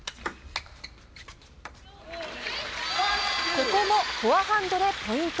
ここもフォアハンドでポイント。